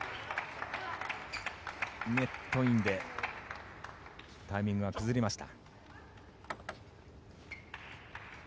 ネットインでタイミングは崩れました。